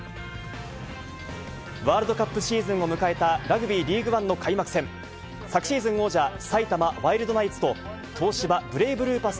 ワールドカップシーズンを迎えた、ラグビー・リーグワンの開幕戦。昨シーズン王者、埼玉ワイルドナイツと、東芝ブレイブルーパス